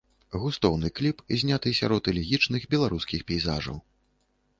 Густоўны кліп зняты сярод элегічных беларускіх пейзажаў.